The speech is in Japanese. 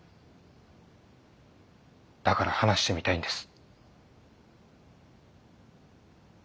だから話してみたいんです。